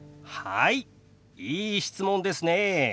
いい質問ですね。